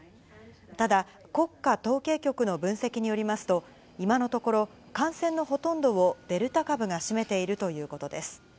ただ、国家統計局の分析によりますと、今のところ、感染のほとんどをデルタ株が占めているということです。